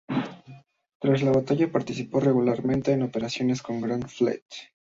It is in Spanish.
Tras la batalla, participó regularmente en operaciones con la Grand Fleet.